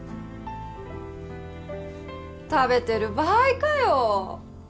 食べてる場合かよ！